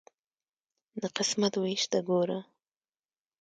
د قسمت ویش ته ګوره.